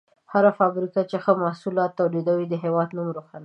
هره فابریکه چې ښه محصول تولید کړي، د هېواد نوم روښانه کوي.